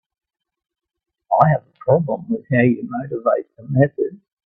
I have a problem with how you motivate the method.